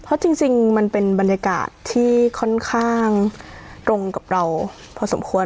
เพราะจริงมันเป็นบรรยากาศที่ค่อนข้างตรงกับเราพอสมควร